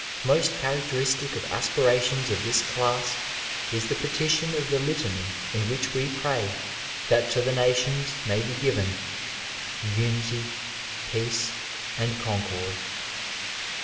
Most characteristic of aspirations of this class is the petition of the Litany in which we pray that to the nations may be given * unity, peace, and con cord.'